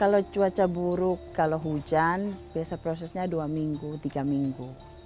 kalau cuaca buruk kalau hujan biasa prosesnya dua minggu tiga minggu